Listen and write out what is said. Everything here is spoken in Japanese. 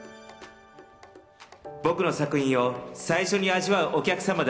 僕の作品を最初に味わうお客様だ。